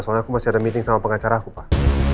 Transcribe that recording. soalnya aku masih ada meeting sama pengacaraku pak